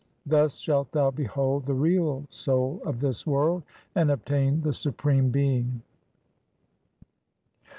Thus shalt thou behold the Real Soul of this world, and obtain the Supreme Being.